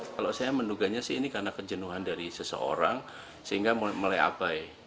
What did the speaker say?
kalau saya menduganya sih ini karena kejenuhan dari seseorang sehingga mulai abai